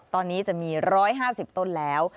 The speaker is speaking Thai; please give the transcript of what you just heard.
ตอนนี้จะมี๑๕๐ต้นแล้ว